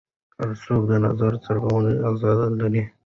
هر څوک د نظر څرګندولو ازادي لري.